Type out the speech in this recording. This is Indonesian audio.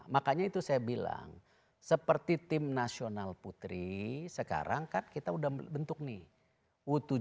makanya itu saya bilang seperti tim nasional putri sekarang kan kita udah bentuk nih